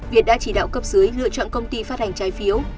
việt đã chỉ đạo cấp dưới lựa chọn công ty phát hành trái phiếu